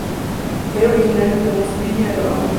Era originario de Huntsville, Alabama.